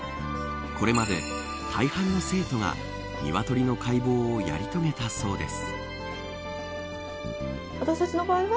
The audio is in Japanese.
これまで、大半の生徒がニワトリの解剖をやり遂げたそうです。